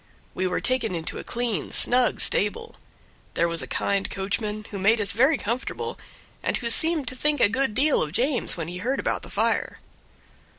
We were taken into a clean, snug stable; there was a kind coachman, who made us very comfortable, and who seemed to think a good deal of James when he heard about the fire.